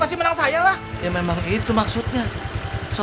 terlalu di pinggir takut jatuh